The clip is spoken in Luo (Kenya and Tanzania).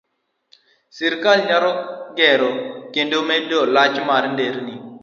Sirkal nyalo gero kendo medo lach mar nderni